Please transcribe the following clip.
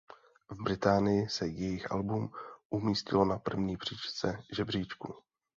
V Británii se jejich album umístilo na první příčce žebříčku.